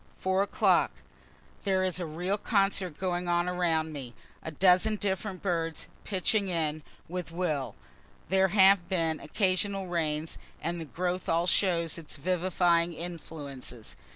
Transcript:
4. o'clock: There is a real concert going on around me a dozen different birds pitching in with a will. There have been occasional rains, and the growths all show its vivifying influences.